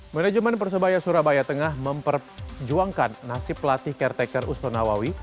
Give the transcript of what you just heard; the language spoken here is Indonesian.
manajemen persebaya surabaya tengah memperjuangkan nasib pelatih caretaker ustonawawi